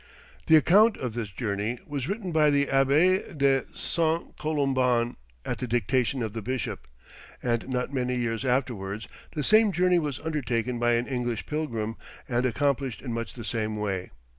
The account of this journey was written by the Abbé de St. Columban at the dictation of the bishop, and not many years afterwards the same journey was undertaken by an English pilgrim, and accomplished in much the same way.